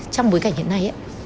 trong bối cảnh hiện nay